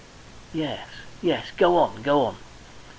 Yes yes. Go on. Go on!"